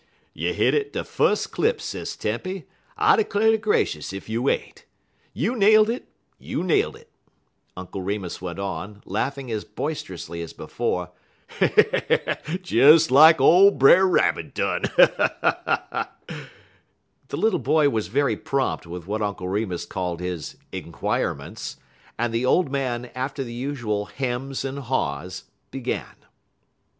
"You hit it de fus' clip, Sis Tempy, I 'clar' ter gracious ef you ain't. You nailed it! You nailed it," Uncle Remus went on, laughing as boisterously as before, "des lak ole Brer Rabbit done." The little boy was very prompt with what Uncle Remus called his "inquirements," and the old man, after the usual "hems" and "haws," began.